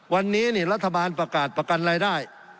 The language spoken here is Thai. วันนี้รัฐบาลประกาศประกันรายได้